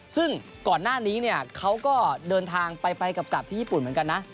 ซึ่งก่อนหน้านี้เนี่ยเขาก็เดินทางไปกลับที่ญี่ปุ่นเหมือนกันนะ